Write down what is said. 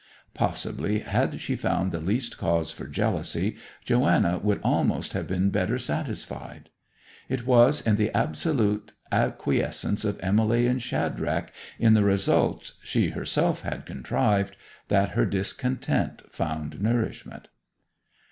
Possibly, had she found the least cause for jealousy, Joanna would almost have been better satisfied. It was in the absolute acquiescence of Emily and Shadrach in the results she herself had contrived that her discontent found nourishment.